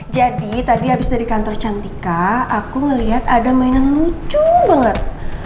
jadi tadi abis dari kantor cantika aku ngelihat ada mainan lucu banget